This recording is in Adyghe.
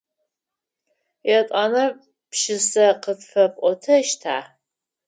Етӏанэ пшысэ къытфэпӏотэщта?